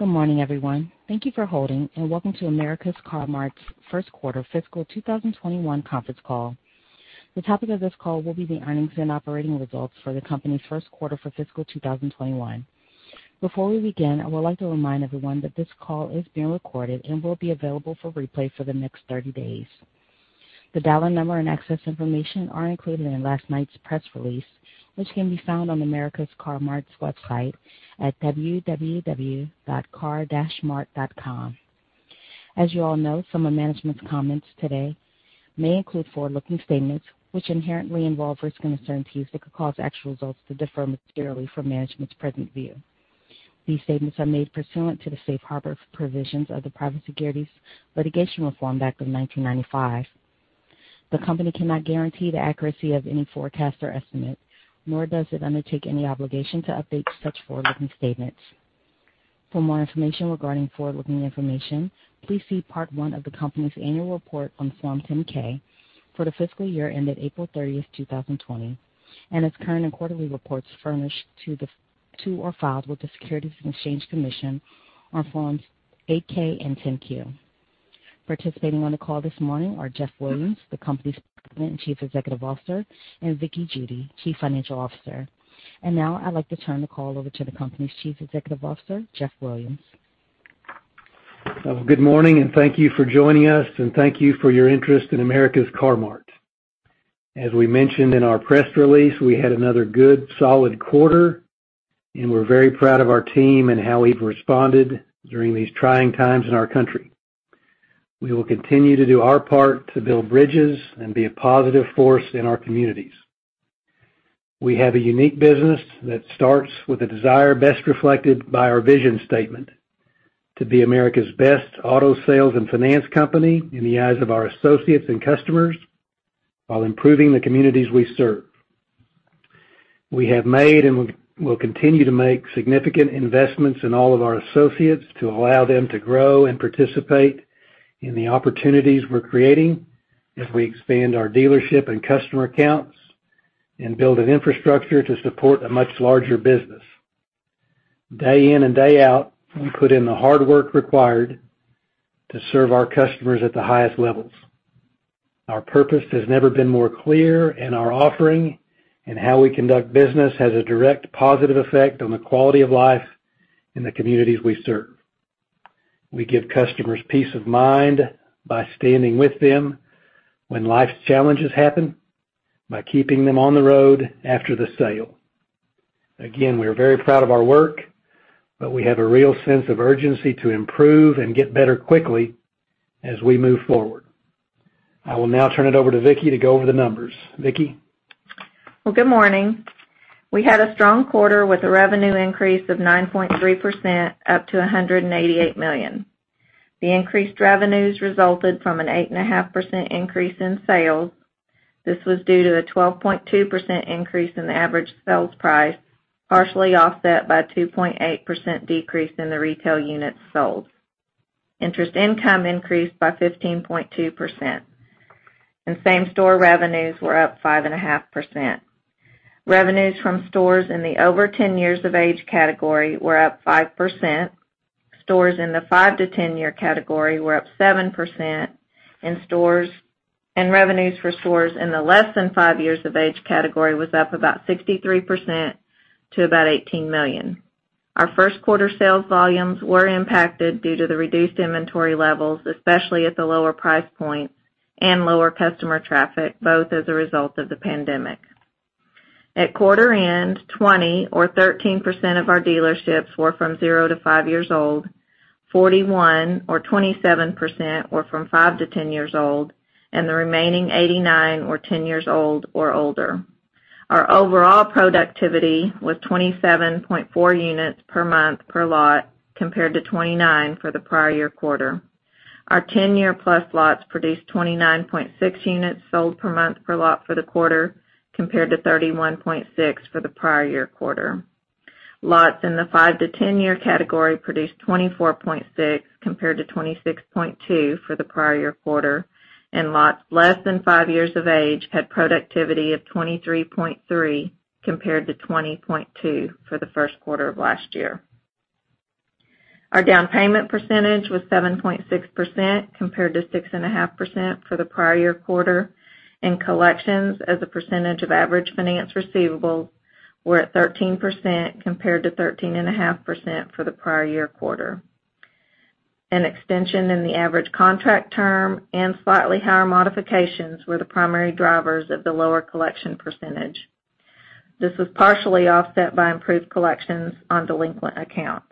Good morning, everyone. Thank you for holding, and welcome to America's Car-Mart's first quarter fiscal 2021 conference call. The topic of this call will be the earnings and operating results for the company's first quarter for fiscal 2021. Before we begin, I would like to remind everyone that this call is being recorded and will be available for replay for the next 30 days. The dial-in number and access information are included in last night's press release, which can be found on America's Car-Mart's website at www.car-mart.com. As you all know, some of management's comments today may include forward-looking statements, which inherently involve risks and uncertainties that could cause actual results to differ materially from management's present view. These statements are made pursuant to the safe harbor provisions of the Private Securities Litigation Reform Act of 1995. The company cannot guarantee the accuracy of any forecast or estimate, nor does it undertake any obligation to update such forward-looking statements. For more information regarding forward-looking information, please see Part One of the company's annual report on Form 10-K for the fiscal year ended April 30th, 2020, and its current and quarterly reports furnished to or filed with the Securities and Exchange Commission on Forms 8-K and 10-Q. Participating on the call this morning are Jeff Williams, the company's President and Chief Executive Officer, and Vickie Judy, Chief Financial Officer. Now, I'd like to turn the call over to the company's Chief Executive Officer, Jeff Williams. Good morning, and thank you for joining us, and thank you for your interest in America's Car-Mart. As we mentioned in our press release, we had another good, solid quarter, and we're very proud of our team and how we've responded during these trying times in our country. We will continue to do our part to build bridges and be a positive force in our communities. We have a unique business that starts with a desire best reflected by our vision statement, to be America's best auto sales and finance company in the eyes of our associates and customers while improving the communities we serve. We have made, and we'll continue to make significant investments in all of our associates to allow them to grow and participate in the opportunities we're creating as we expand our dealership and customer accounts and build an infrastructure to support a much larger business. Day in and day out, we put in the hard work required to serve our customers at the highest levels. Our purpose has never been more clear, and our offering and how we conduct business has a direct positive effect on the quality of life in the communities we serve. We give customers peace of mind by standing with them when life's challenges happen, by keeping them on the road after the sale. Again, we are very proud of our work, but we have a real sense of urgency to improve and get better quickly as we move forward. I will now turn it over to Vickie to go over the numbers. Vickie? Well, good morning. We had a strong quarter with a revenue increase of 9.3%, up to $188 million. The increased revenues resulted from an eight and a half % increase in sales. This was due to a 12.2% increase in the average sales price, partially offset by a 2.8% decrease in the retail units sold. Interest income increased by 15.2%, and same-store revenues were up 5.5%. Revenues from stores in the over 10 years of age category were up 5%. Stores in the five-to-10 year category were up 7%, and revenues for stores in the less than five years of age category was up about 63% to about $18 million. Our first quarter sales volumes were impacted due to the reduced inventory levels, especially at the lower price points, and lower customer traffic, both as a result of the pandemic. At quarter end, 20 or 13% of our dealerships were from zero to five years old, 41 or 27% were from five to 10 years old, the remaining 89 were 10 years old or older. Our overall productivity was 27.4 units per month per lot, compared to 29 for the prior year quarter. Our 10-year-plus lots produced 29.6 units sold per month per lot for the quarter, compared to 31.6 for the prior year quarter. Lots in the five-to-10 year category produced 24.6 compared to 26.2 for the prior year quarter. Lots less than five years of age had productivity of 23.3 compared to 20.2 for the first quarter of last year. Our down payment percentage was 7.6% compared to 6.5% for the prior year quarter. Collections as a percentage of average finance receivables were at 13% compared to 13.5% for the prior year quarter. An extension in the average contract term and slightly higher modifications were the primary drivers of the lower collection percentage. This was partially offset by improved collections on delinquent accounts.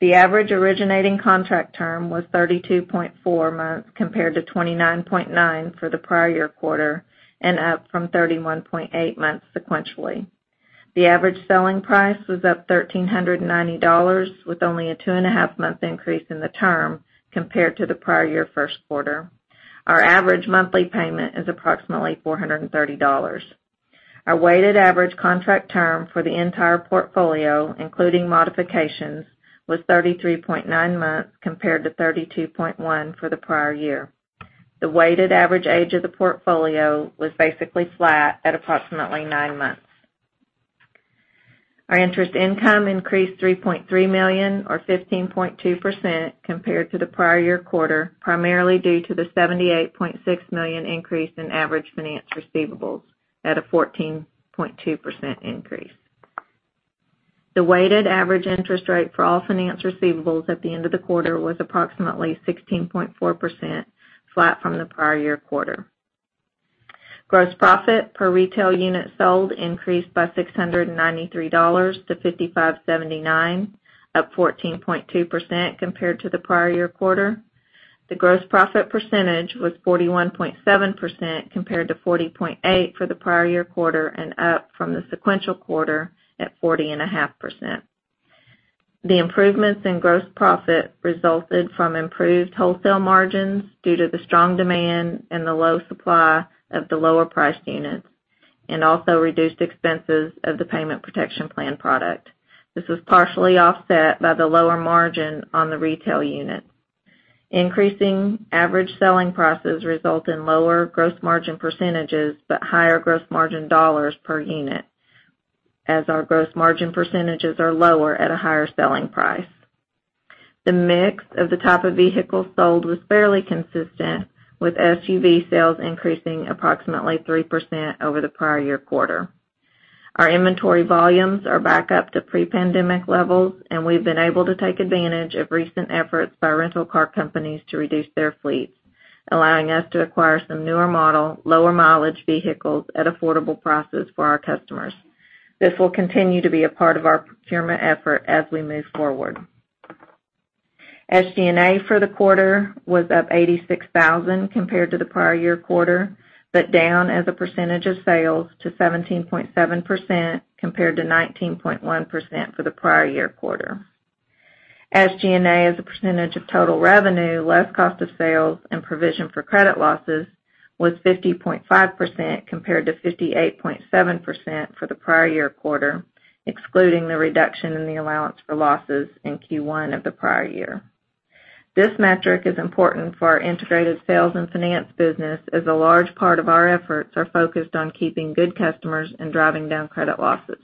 The average originating contract term was 32.4 months compared to 29.9 for the prior year quarter and up from 31.8 months sequentially. The average selling price was up $1,390 with only a 2.5 month increase in the term compared to the prior year first quarter. Our average monthly payment is approximately $430. Our weighted average contract term for the entire portfolio, including modifications, was 33.9 months compared to 32.1 for the prior year. The weighted average age of the portfolio was basically flat at approximately nine months. Our interest income increased $3.3 million or 15.2% compared to the prior year quarter, primarily due to the $78.6 million increase in average finance receivables at a 14.2% increase. The weighted average interest rate for all finance receivables at the end of the quarter was approximately 16.4%, flat from the prior year quarter. Gross profit per retail unit sold increased by $693-$5,579, up 14.2% compared to the prior year quarter. The gross profit percentage was 41.7% compared to 40.8% for the prior year quarter and up from the sequential quarter at 40.5%. The improvements in gross profit resulted from improved wholesale margins due to the strong demand and the low supply of the lower priced units, and also reduced expenses of the payment protection plan product. This was partially offset by the lower margin on the retail units. Increasing average selling prices result in lower gross margin percentages but higher gross margin dollars per unit, as our gross margin percentages are lower at a higher selling price. The mix of the type of vehicles sold was fairly consistent, with SUV sales increasing approximately 3% over the prior year quarter. Our inventory volumes are back up to pre-pandemic levels, and we've been able to take advantage of recent efforts by rental car companies to reduce their fleets, allowing us to acquire some newer model, lower mileage vehicles at affordable prices for our customers. This will continue to be a part of our procurement effort as we move forward. SG&A for the quarter was up $86,000 compared to the prior year quarter, but down as a percentage of sales to 17.7% compared to 19.1% for the prior year quarter. SG&A as a percentage of total revenue less cost of sales and provision for credit losses was 50.5% compared to 58.7% for the prior year quarter, excluding the reduction in the allowance for losses in Q1 of the prior year. This metric is important for our integrated sales and finance business as a large part of our efforts are focused on keeping good customers and driving down credit losses.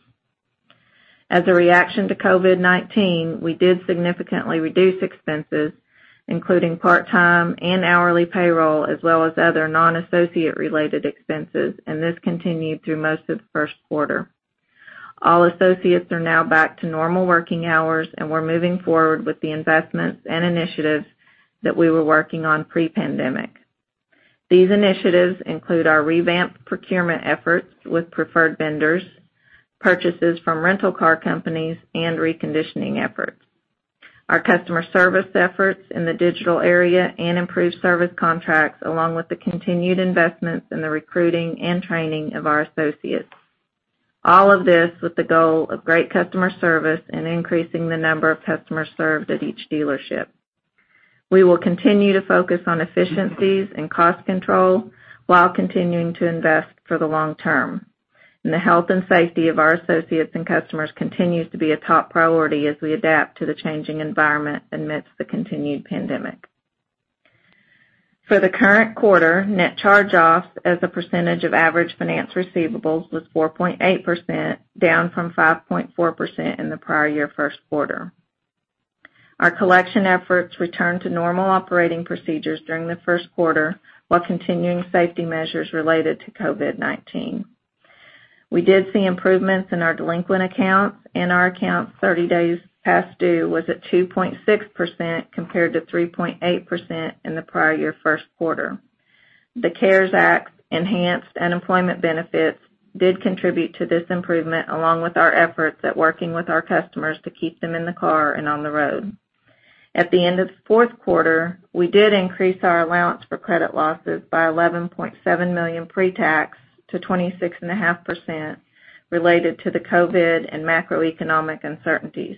As a reaction to COVID-19, we did significantly reduce expenses, including part-time and hourly payroll as well as other non-associate related expenses, and this continued through most of the first quarter. All associates are now back to normal working hours, and we're moving forward with the investments and initiatives that we were working on pre-pandemic. These initiatives include our revamped procurement efforts with preferred vendors, purchases from rental car companies, and reconditioning efforts. Our customer service efforts in the digital area and improved service contracts along with the continued investments in the recruiting and training of our associates. All of this with the goal of great customer service and increasing the number of customers served at each dealership. We will continue to focus on efficiencies and cost control while continuing to invest for the long term. The health and safety of our associates and customers continues to be a top priority as we adapt to the changing environment amidst the continued pandemic. For the current quarter, net charge-offs as a percentage of average finance receivables was 4.8%, down from 5.4% in the prior year first quarter. Our collection efforts returned to normal operating procedures during the first quarter while continuing safety measures related to COVID-19. We did see improvements in our delinquent accounts, and our accounts 30 days past due was at 2.6% compared to 3.8% in the prior year first quarter. The CARES Act enhanced unemployment benefits did contribute to this improvement, along with our efforts at working with our customers to keep them in the car and on the road. At the end of fourth quarter, we did increase our allowance for credit losses by $11.7 million pretax to 26.5% related to the COVID-19 and macroeconomic uncertainties.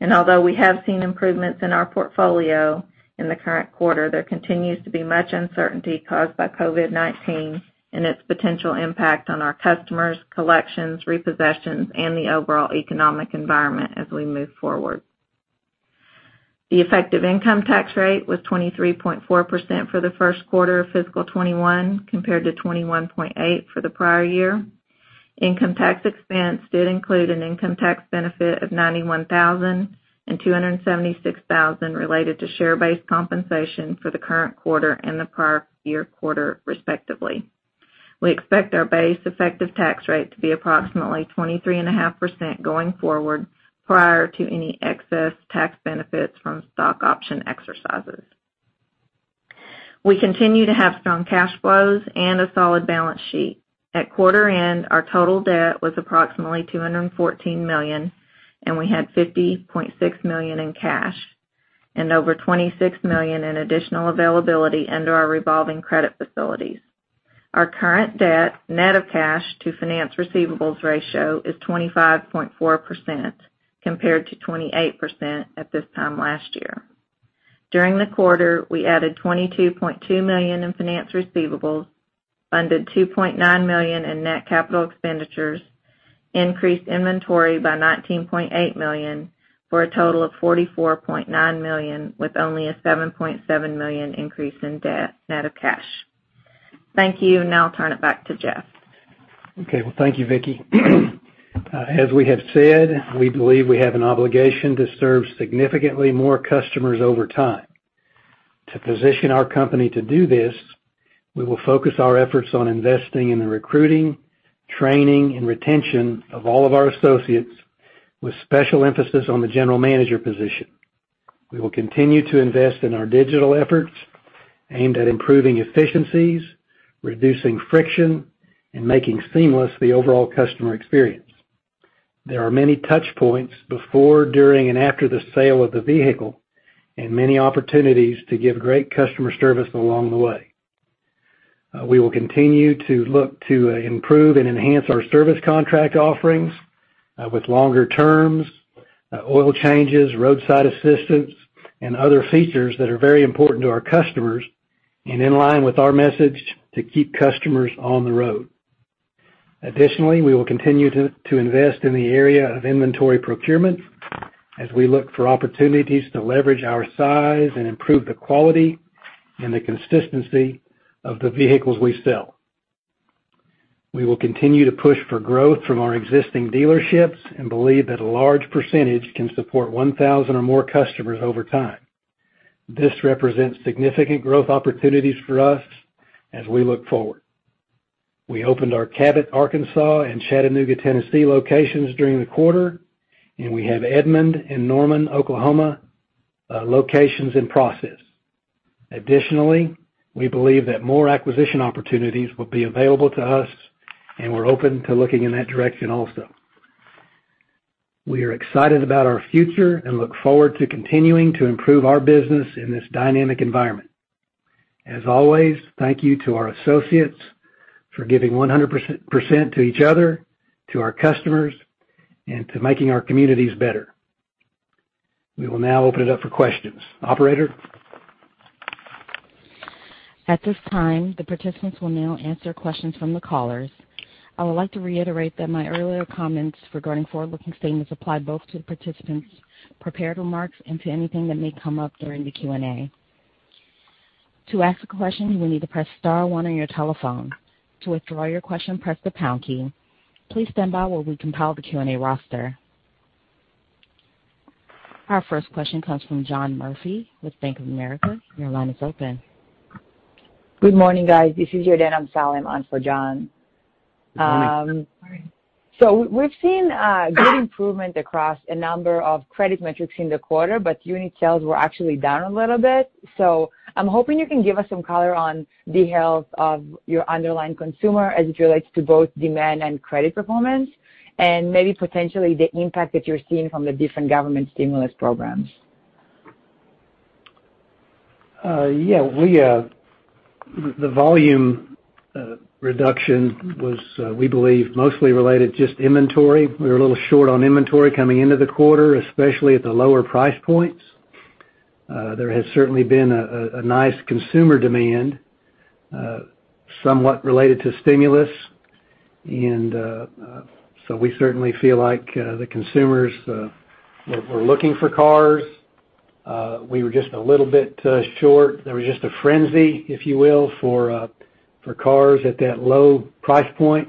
Although we have seen improvements in our portfolio in the current quarter, there continues to be much uncertainty caused by COVID-19 and its potential impact on our customers, collections, repossessions, and the overall economic environment as we move forward. The effective income tax rate was 23.4% for the first quarter of fiscal 2021 compared to 21.8% for the prior year. Income tax expense did include an income tax benefit of $91,000 and $276,000 related to share-based compensation for the current quarter and the prior year quarter, respectively. We expect our base effective tax rate to be approximately 23.5% going forward prior to any excess tax benefits from stock option exercises. We continue to have strong cash flows and a solid balance sheet. At quarter end, our total debt was approximately $214 million, and we had $50.6 million in cash and over $26 million in additional availability under our revolving credit facilities. Our current debt net of cash to finance receivables ratio is 25.4%, compared to 28% at this time last year. During the quarter, we added $22.2 million in finance receivables, funded $2.9 million in net capital expenditures increased inventory by $19.8 million for a total of $44.9 million with only a $7.7 million increase in debt net of cash. Thank you. Now I'll turn it back to Jeff. Okay. Well, thank you, Vickie. As we have said, we believe we have an obligation to serve significantly more customers over time. To position our company to do this, we will focus our efforts on investing in the recruiting, training, and retention of all of our associates with special emphasis on the general manager position. We will continue to invest in our digital efforts aimed at improving efficiencies, reducing friction, and making seamless the overall customer experience. There are many touch points before, during, and after the sale of the vehicle and many opportunities to give great customer service along the way. We will continue to look to improve and enhance our service contract offerings, with longer terms, oil changes, roadside assistance, and other features that are very important to our customers and in line with our message to keep customers on the road. We will continue to invest in the area of inventory procurement as we look for opportunities to leverage our size and improve the quality and the consistency of the vehicles we sell. We will continue to push for growth from our existing dealerships and believe that a large percentage can support 1,000 or more customers over time. This represents significant growth opportunities for us as we look forward. We opened our Cabot, Arkansas, and Chattanooga, Tennessee, locations during the quarter, and we have Edmond and Norman, Oklahoma, locations in process. We believe that more acquisition opportunities will be available to us, and we're open to looking in that direction also. We are excited about our future and look forward to continuing to improve our business in this dynamic environment. As always, thank you to our associates for giving 100% to each other, to our customers, and to making our communities better. We will now open it up for questions. Operator? At this time, the participants will now answer questions from the callers. I would like to reiterate that my earlier comments regarding forward-looking statements apply both to the participants' prepared remarks and to anything that may come up during the Q&A. To ask a question, you will need to press star one on your telephone. To withdraw your question, press the pound key. Please stand by while we compile the Q&A roster. Our first question comes from John Murphy with Bank of America. Your line is open. Good morning, guys. This is Yarden Amsalem on for John. Morning Morning. We've seen a good improvement across a number of credit metrics in the quarter, but unit sales were actually down a little bit. I'm hoping you can give us some color on the health of your underlying consumer as it relates to both demand and credit performance, and maybe potentially the impact that you're seeing from the different government stimulus programs. Yeah. The volume reduction was, we believe, mostly related just inventory. We were a little short on inventory coming into the quarter, especially at the lower price points. There has certainly been a nice consumer demand, somewhat related to stimulus. We certainly feel like the consumers were looking for cars. We were just a little bit short. There was just a frenzy, if you will, for cars at that low price point.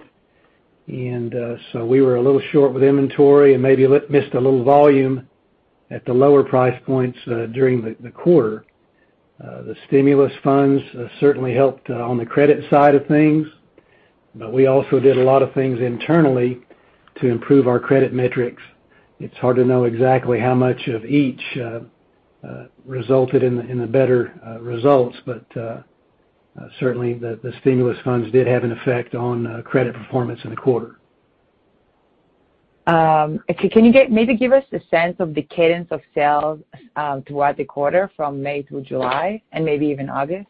We were a little short with inventory and maybe missed a little volume at the lower price points during the quarter. The stimulus funds certainly helped on the credit side of things, but we also did a lot of things internally to improve our credit metrics. It's hard to know exactly how much of each resulted in the better results, but certainly the stimulus funds did have an effect on credit performance in the quarter. Can you maybe give us a sense of the cadence of sales, throughout the quarter from May through July and maybe even August?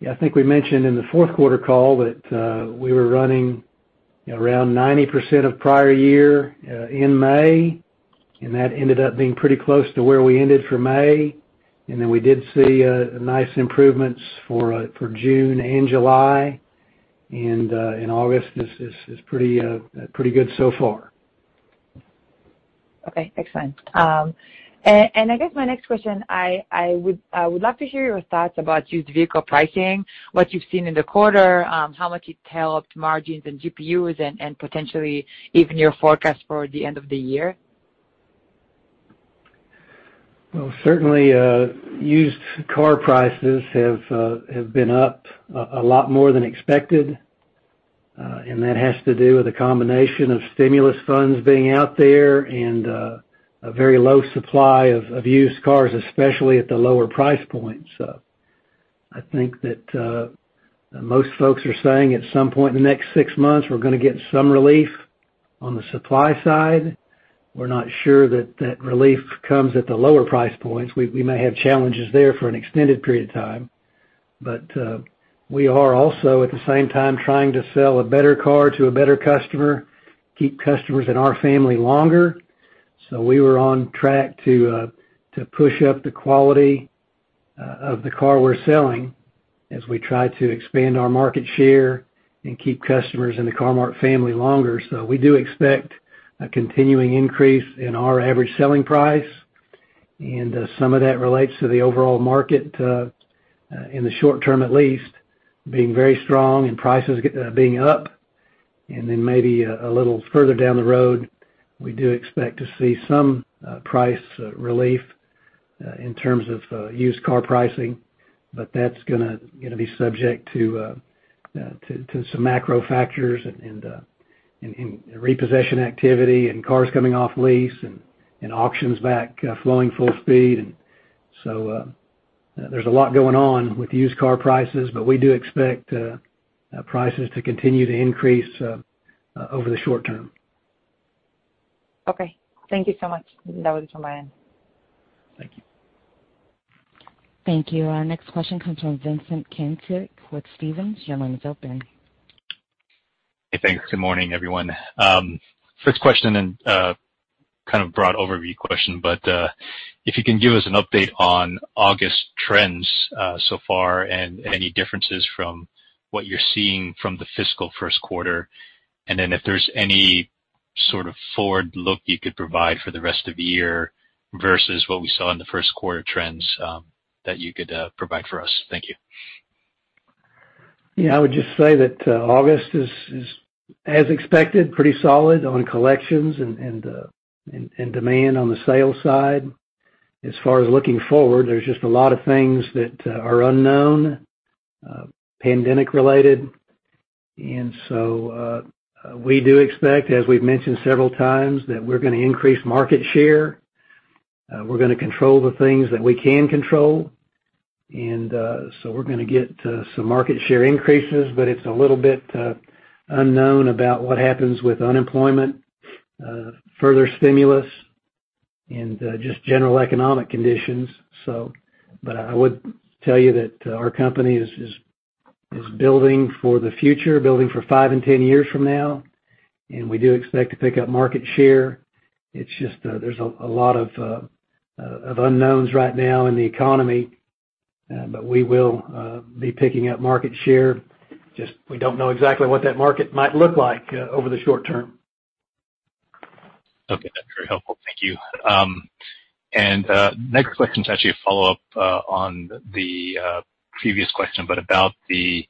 Yeah. I think we mentioned in the fourth quarter call that we were running around 90% of prior year in May, and that ended up being pretty close to where we ended for May. We did see nice improvements for June and July, and August is pretty good so far. Okay. Excellent. I guess my next question, I would love to hear your thoughts about used vehicle pricing, what you've seen in the quarter, how much it helped margins and GPUs and potentially even your forecast for the end of the year? Well, certainly, used car prices have been up a lot more than expected. That has to do with a combination of stimulus funds being out there and a very low supply of used cars, especially at the lower price points. I think that most folks are saying at some point in the next six months, we're going to get some relief on the supply side. We're not sure that that relief comes at the lower price points. We may have challenges there for an extended period of time. We are also at the same time trying to sell a better car to a better customer, keep customers in our family longer. We were on track to push up the quality of the car we're selling as we try to expand our market share and keep customers in the Car-Mart family longer. We do expect a continuing increase in our average selling price, some of that relates to the overall market, in the short term at least, being very strong and prices being up. Then maybe a little further down the road, we do expect to see some price relief in terms of used car pricing. That's going to be subject to some macro factors and repossession activity and cars coming off lease and auctions back flowing full speed. There's a lot going on with used car prices, but we do expect prices to continue to increase over the short term. Okay. Thank you so much. That was from my end. Thank you. Thank you. Our next question comes from Vincent Caintic with Stephens. Your line is open. Hey, thanks. Good morning, everyone. First question and kind of broad overview question, but if you can give us an update on August trends so far and any differences from what you're seeing from the fiscal first quarter, and then if there's any sort of forward look you could provide for the rest of the year versus what we saw in the first quarter trends that you could provide for us. Thank you. Yeah, I would just say that August is, as expected, pretty solid on collections and demand on the sales side. As far as looking forward, there's just a lot of things that are unknown, pandemic related. We do expect, as we've mentioned several times, that we're going to increase market share. We're going to control the things that we can control. We're going to get some market share increases, but it's a little bit unknown about what happens with unemployment, further stimulus, and just general economic conditions. I would tell you that our company is building for the future, building for five and 10 years from now, and we do expect to pick up market share. It's just there's a lot of unknowns right now in the economy, but we will be picking up market share. Just, we don't know exactly what that market might look like over the short term. Okay. That's very helpful. Thank you. Next question is actually a follow-up on the previous question, about the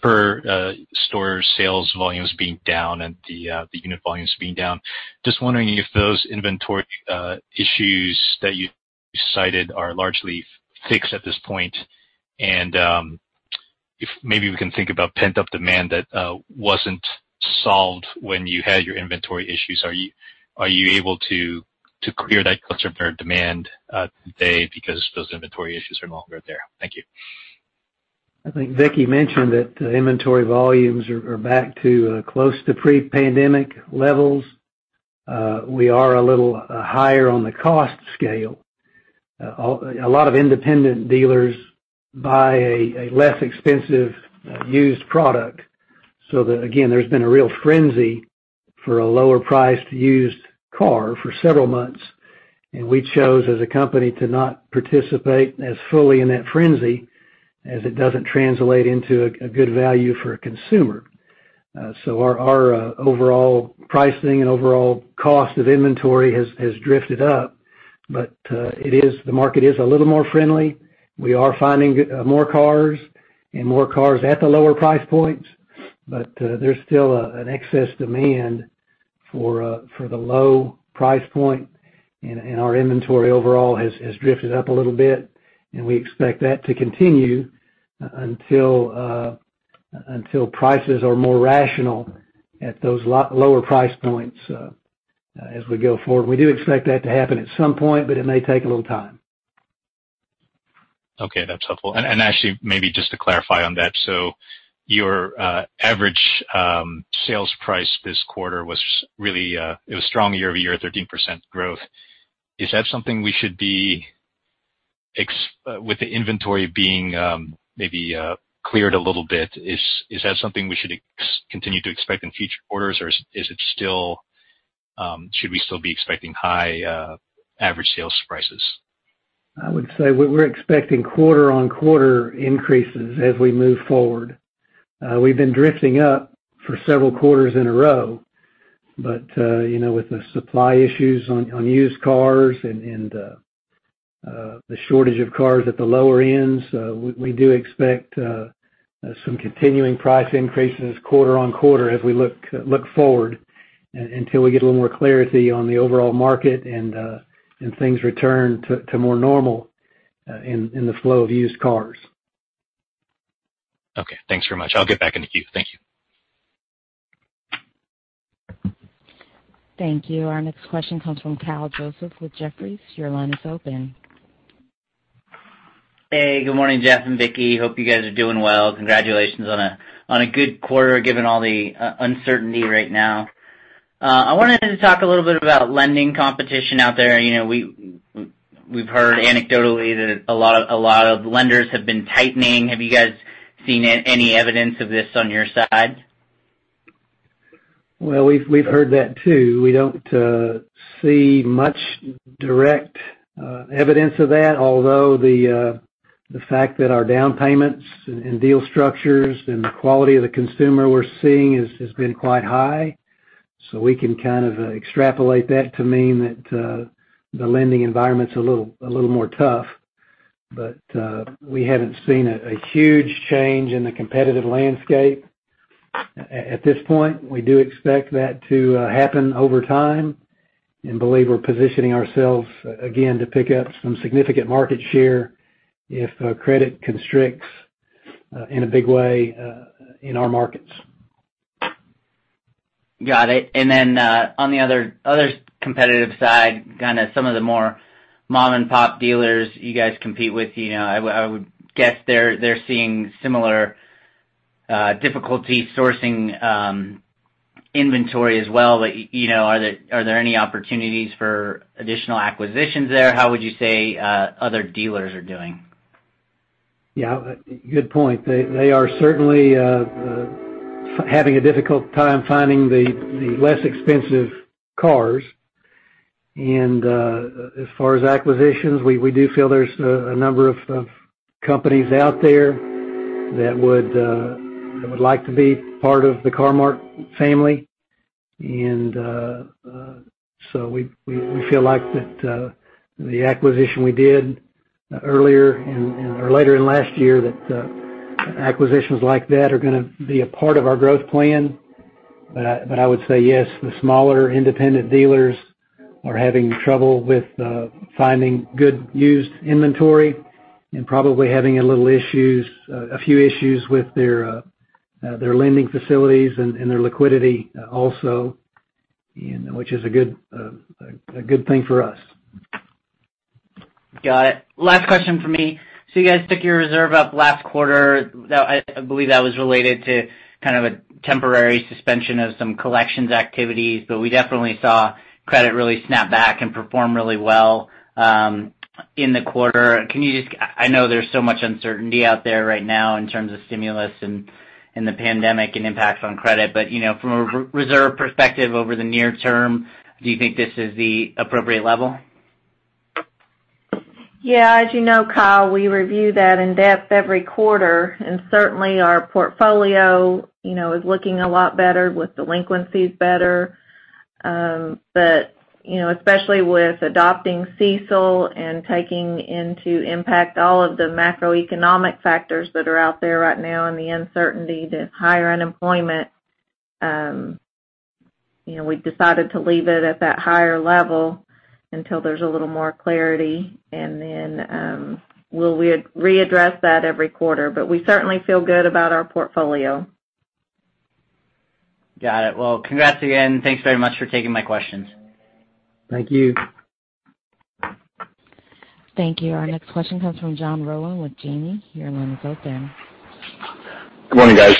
per store sales volumes being down and the unit volumes being down. Just wondering if those inventory issues that you cited are largely fixed at this point, if maybe we can think about pent-up demand that wasn't solved when you had your inventory issues. Are you able to clear that customer demand today because those inventory issues are no longer there? Thank you. I think Vickie mentioned that inventory volumes are back to close to pre-pandemic levels. We are a little higher on the cost scale. A lot of independent dealers buy a less expensive used product. Again, there's been a real frenzy for a lower priced used car for several months, and we chose, as a company, to not participate as fully in that frenzy as it doesn't translate into a good value for a consumer. Our overall pricing and overall cost of inventory has drifted up. The market is a little more friendly. We are finding more cars and more cars at the lower price points, but there's still an excess demand for the low price point, and our inventory overall has drifted up a little bit, and we expect that to continue until prices are more rational at those lower price points as we go forward. We do expect that to happen at some point, but it may take a little time. Okay, that's helpful. Actually, maybe just to clarify on that. Your average sales price this quarter it was strong year-over-year, 13% growth. With the inventory being maybe cleared a little bit, is that something we should continue to expect in future quarters, or should we still be expecting high average sales prices? I would say we're expecting quarter-on-quarter increases as we move forward. We've been drifting up for several quarters in a row. With the supply issues on used cars and the shortage of cars at the lower end, we do expect some continuing price increases quarter-on-quarter as we look forward, until we get a little more clarity on the overall market and things return to more normal in the flow of used cars. Okay. Thanks very much. I'll get back in the queue. Thank you. Thank you. Our next question comes from Kyle Joseph with Jefferies. Your line is open. Hey, good morning, Jeff and Vickie. Hope you guys are doing well. Congratulations on a good quarter given all the uncertainty right now. I wanted to talk a little bit about lending competition out there. We've heard anecdotally that a lot of lenders have been tightening. Have you guys seen any evidence of this on your side? We've heard that too. We don't see much direct evidence of that, although the fact that our down payments and deal structures and the quality of the consumer we're seeing has been quite high. We can kind of extrapolate that to mean that the lending environment's a little more tough. We haven't seen a huge change in the competitive landscape at this point. We do expect that to happen over time and believe we're positioning ourselves, again, to pick up some significant market share if credit constricts in a big way in our markets. Got it. On the other competitive side, kind of some of the more mom-and-pop dealers you guys compete with, I would guess they're seeing similar difficulty sourcing inventory as well. Are there any opportunities for additional acquisitions there? How would you say other dealers are doing? Yeah. Good point. They are certainly having a difficult time finding the less expensive cars. As far as acquisitions, we do feel there's a number of companies out there that would like to be part of the Car-Mart family. We feel like that the acquisition we did earlier in, or later in last year, that acquisitions like that are going to be a part of our growth plan. I would say yes, the smaller independent dealers are having trouble with finding good used inventory and probably having a few issues with their lending facilities and their liquidity also, which is a good thing for us. Got it. Last question from me. You guys took your reserve up last quarter. I believe that was related to kind of a temporary suspension of some collections activities, but we definitely saw credit really snap back and perform really well in the quarter. I know there's so much uncertainty out there right now in terms of stimulus and the pandemic and impacts on credit, but from a reserve perspective over the near term, do you think this is the appropriate level? Yeah. As you know, Kyle, we review that in depth every quarter, certainly our portfolio is looking a lot better with delinquencies better. Especially with adopting CECL and taking into impact all of the macroeconomic factors that are out there right now and the uncertainty, the higher unemployment, we've decided to leave it at that higher level until there's a little more clarity. Then, we'll readdress that every quarter. We certainly feel good about our portfolio. Got it. Well, congrats again. Thanks very much for taking my questions. Thank you. Thank you. Our next question comes from John Rowan with Janney. Your line is open. Good morning, guys.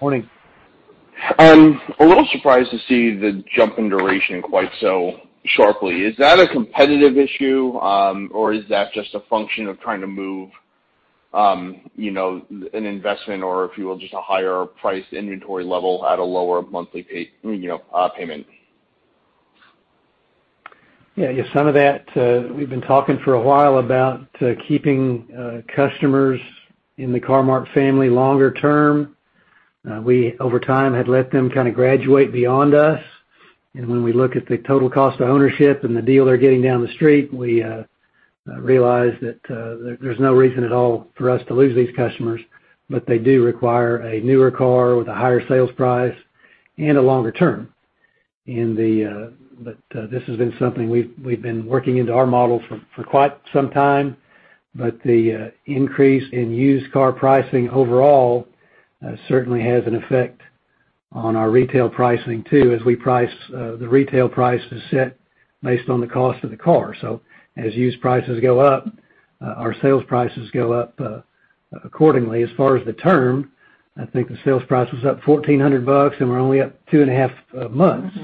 Morning. I'm a little surprised to see the jump in duration quite so sharply. Is that a competitive issue, or is that just a function of trying to move an investment or, if you will, just a higher-priced inventory level at a lower monthly payment? Yeah. Some of that, we've been talking for a while about keeping customers in the Car-Mart family longer term. We, over time, had let them kind of graduate beyond us. When we look at the total cost of ownership and the deal they're getting down the street, we realize that there's no reason at all for us to lose these customers. They do require a newer car with a higher sales price and a longer term. This has been something we've been working into our model for quite some time. The increase in used car pricing overall certainly has an effect on our retail pricing too, as the retail price is set based on the cost of the car. As used prices go up, our sales prices go up accordingly. As far as the term, I think the sales price was up $1,400, and we're only up two and a half months.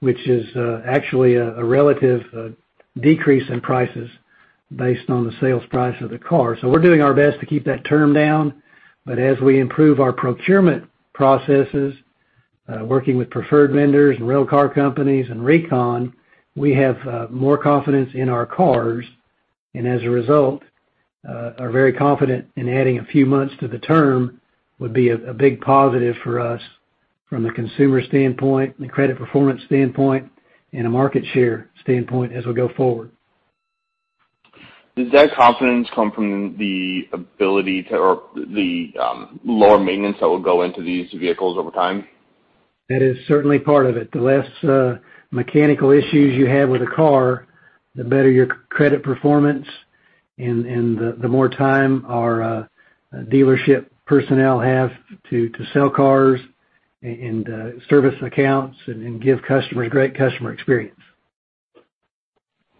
Which is actually a relative decrease in prices based on the sales price of the car. We're doing our best to keep that term down. As we improve our procurement processes, working with preferred vendors and rental car companies and recon, we have more confidence in our cars, and as a result, are very confident in adding a few months to the term would be a big positive for us from the consumer standpoint, the credit performance standpoint, and a market share standpoint as we go forward. Does that confidence come from the lower maintenance that will go into these vehicles over time? That is certainly part of it. The less mechanical issues you have with a car, the better your credit performance and the more time our dealership personnel have to sell cars and service accounts and give customers great customer experience.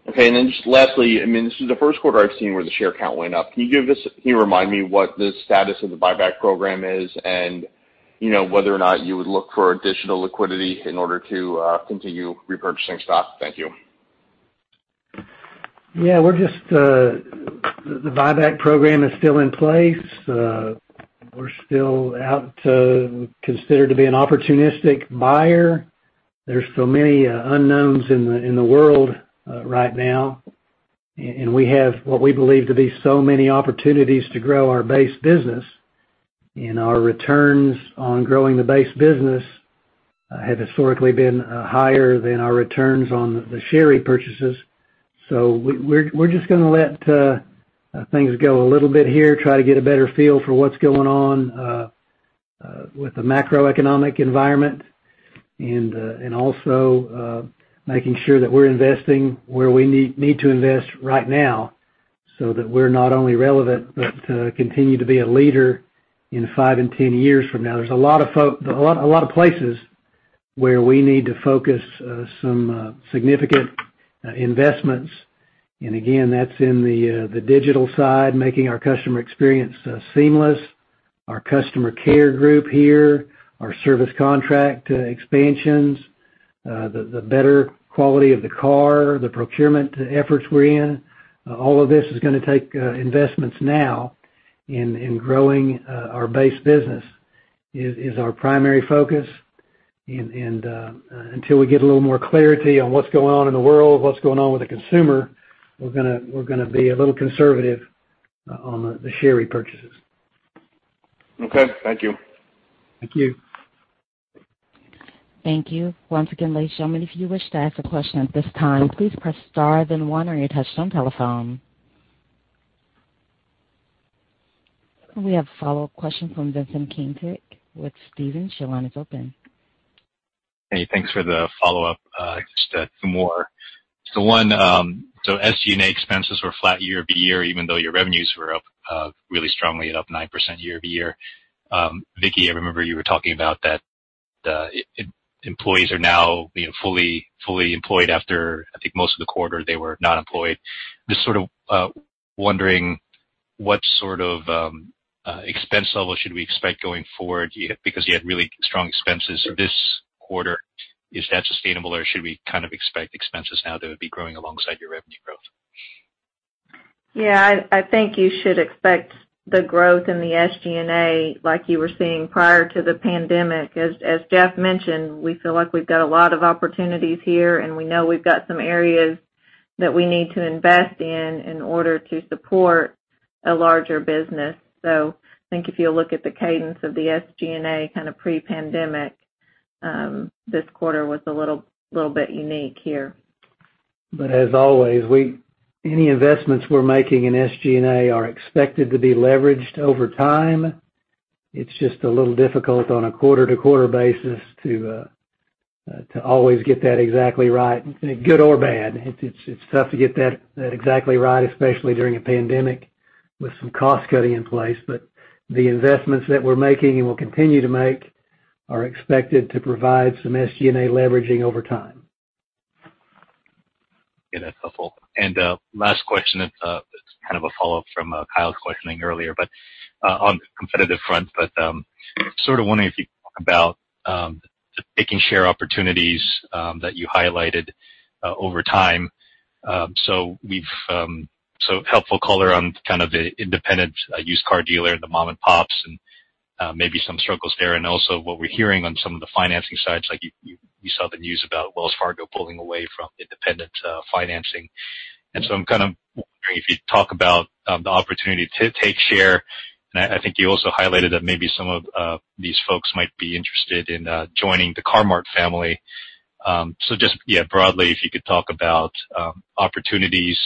Okay, just lastly, this is the first quarter I've seen where the share count went up. Can you remind me what the status of the buyback program is, and whether or not you would look for additional liquidity in order to continue repurchasing stock? Thank you. The buyback program is still in place. We're still out to consider to be an opportunistic buyer. There's so many unknowns in the world right now, and we have what we believe to be so many opportunities to grow our base business. Our returns on growing the base business have historically been higher than our returns on the share repurchases. We're just going to let things go a little bit here, try to get a better feel for what's going on with the macroeconomic environment, and also making sure that we're investing where we need to invest right now so that we're not only relevant but continue to be a leader in five and 10 years from now. There's a lot of places where we need to focus some significant investments. Again, that's in the digital side, making our customer experience seamless, our customer care group here, our service contract expansions, the better quality of the car, the procurement efforts we're in. All of this is going to take investments now in growing our base business. It is our primary focus. Until we get a little more clarity on what's going on in the world, what's going on with the consumer, we're going to be a little conservative on the share repurchases. Okay. Thank you. Thank you. Thank you. Once again, ladies and gentlemen, if you wish to ask a question at this time, please press star then one on your touch-tone telephone. We have a follow-up question from Vincent Caintic with Stephens. Your line is open. Hey, thanks for the follow-up. Just two more. One, SG&A expenses were flat year-over-year, even though your revenues were up really strongly, at up 9% year-over-year. Vickie, I remember you were talking about that the employees are now fully employed after, I think, most of the quarter they were not employed. Just sort of wondering what sort of expense level should we expect going forward because you had really strong expenses this quarter. Is that sustainable or should we kind of expect expenses now that would be growing alongside your revenue growth? Yeah. I think you should expect the growth in the SG&A like you were seeing prior to the pandemic. As Jeff mentioned, we feel like we've got a lot of opportunities here, and we know we've got some areas that we need to invest in in order to support a larger business. I think if you look at the cadence of the SG&A kind of pre-pandemic, this quarter was a little bit unique here. As always, any investments we're making in SG&A are expected to be leveraged over time. It's just a little difficult on a quarter-to-quarter basis to always get that exactly right, good or bad. It's tough to get that exactly right, especially during a pandemic with some cost-cutting in place. The investments that we're making and will continue to make are expected to provide some SG&A leveraging over time. Yeah, that's helpful. Last question, it's kind of a follow-up from Kyle's questioning earlier, but on the competitive front. Sort of wondering if you talk about the taking share opportunities that you highlighted over time. Helpful color on kind of the independent used car dealer, the mom and pops, and maybe some struggles there, and also what we're hearing on some of the financing sides. Like you saw the news about Wells Fargo pulling away from independent financing. I'm kind of wondering if you'd talk about the opportunity to take share, and I think you also highlighted that maybe some of these folks might be interested in joining the Car-Mart family. Just broadly, if you could talk about opportunities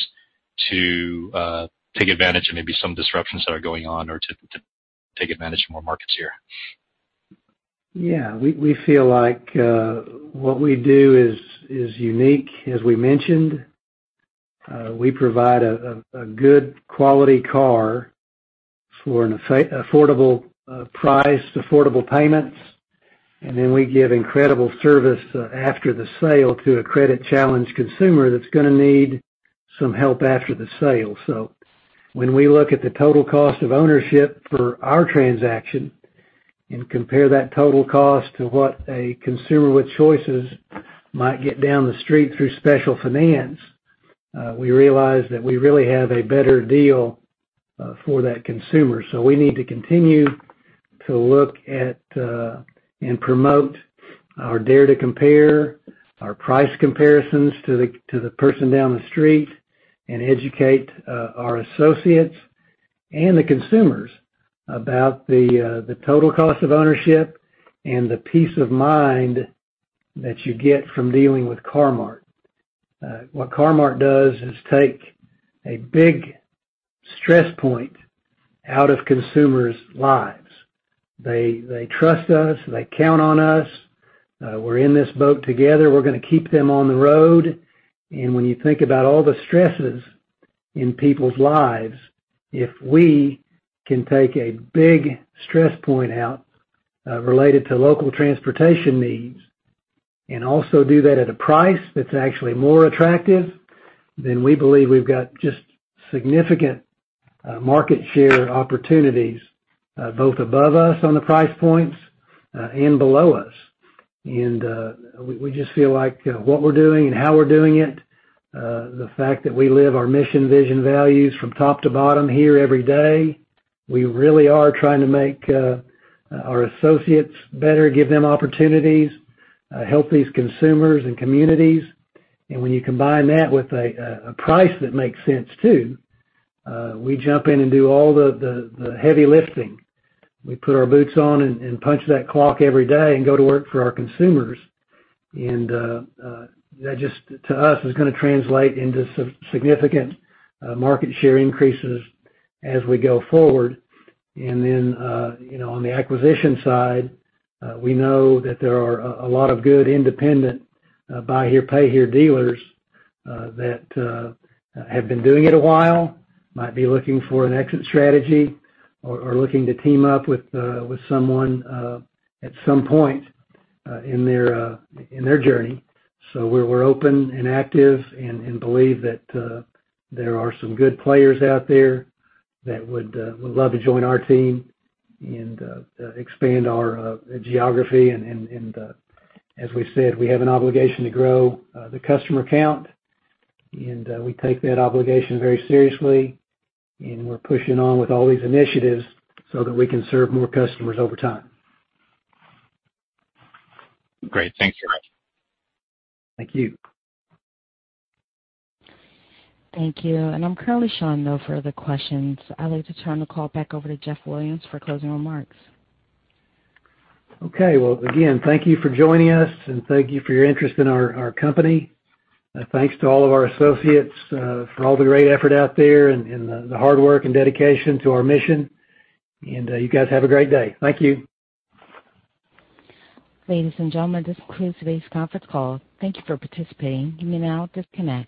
to take advantage of maybe some disruptions that are going on or to take advantage of more markets here. Yeah. We feel like what we do is unique, as we mentioned. We provide a good quality car for an affordable price, affordable payments, and then we give incredible service after the sale to a credit-challenged consumer that's going to need some help after the sale. When we look at the total cost of ownership for our transaction and compare that total cost to what a consumer with choices might get down the street through special finance, we realize that we really have a better deal for that consumer. We need to continue to look at and promote our Dare to Compare, our price comparisons to the person down the street, and educate our associates and the consumers about the total cost of ownership and the peace of mind that you get from dealing with Car-Mart. What Car-Mart does is take a big stress point out of consumers' lives. They trust us. They count on us. We're in this boat together. We're going to keep them on the road. When you think about all the stresses in people's lives, if we can take a big stress point out related to local transportation needs, and also do that at a price that's actually more attractive, then we believe we've got just significant market share opportunities, both above us on the price points and below us. We just feel like what we're doing and how we're doing it, the fact that we live our mission, vision, values from top to bottom here every day. We really are trying to make our associates better, give them opportunities, help these consumers and communities. When you combine that with a price that makes sense too, we jump in and do all the heavy lifting. We put our boots on and punch that clock every day and go to work for our consumers. That just, to us, is going to translate into significant market share increases as we go forward. On the acquisition side, we know that there are a lot of good independent buy here, pay here dealers that have been doing it a while, might be looking for an exit strategy or looking to team up with someone at some point in their journey. We're open and active and believe that there are some good players out there that would love to join our team and expand our geography. As we said, we have an obligation to grow the customer count, and we take that obligation very seriously. We're pushing on with all these initiatives so that we can serve more customers over time. Great. Thank you, Jeff. Thank you. Thank you. I'm currently showing no further questions. I'd like to turn the call back over to Jeff Williams for closing remarks. Okay. Well, again, thank you for joining us, and thank you for your interest in our company. Thanks to all of our associates for all the great effort out there and the hard work and dedication to our mission. You guys have a great day. Thank you. Ladies and gentlemen, this concludes today's conference call. Thank you for participating. You may now disconnect.